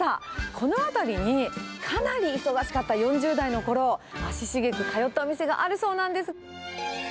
この辺りに、かなり忙しかった４０代のころ、足しげく通ったお店があるそうなんです。